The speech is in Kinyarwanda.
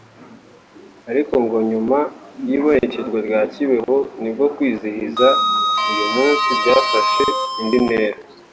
Ariko ngo nyuma y’ibonekerwa rya Kibeho ni bwo kwizihiza uyu munsi byafashe indi ntera